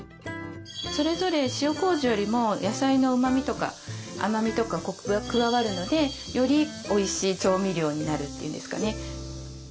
それぞれ塩こうじよりも野菜のうまみとか甘みとかコクが加わるのでよりおいしい調味料になるというんですかね。